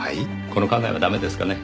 この考えはダメですかね？